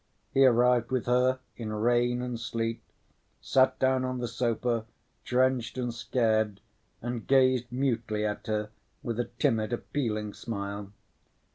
He arrived with her in rain and sleet, sat down on the sofa, drenched and scared, and gazed mutely at her with a timid, appealing smile.